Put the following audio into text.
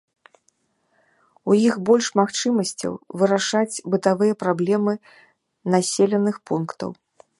У іх больш магчымасцяў вырашаць бытавыя праблемы населеных пунктаў.